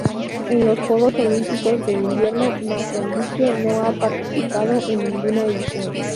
En los Juegos Olímpicos de Invierno Mozambique no ha participado en ninguna edición.